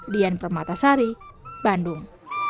dian permatasari bandung